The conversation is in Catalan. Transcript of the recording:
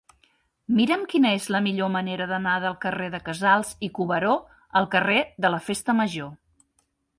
Mira'm quina és la millor manera d'anar del carrer de Casals i Cuberó al carrer de la Festa Major.